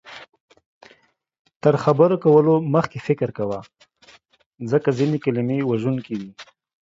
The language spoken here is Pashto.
تر خبرو کولو مخکې فکر کوه، ځکه ځینې کلمې وژونکې وي